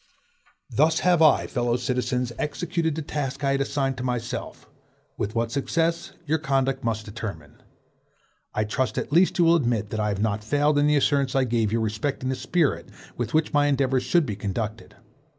Thus have I, fellow citizens, executed the task I had assigned to myself; with what success, your conduct must determine. I trust at least you will admit that I have not failed in the assurance I gave you respecting the spirit with which my endeavors should be conducted.